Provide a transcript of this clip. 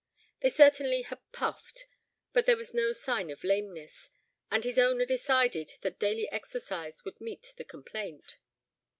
They certainly had puffed, but there was no sign of lameness, and his owner decided that daily exercise would meet the complaint.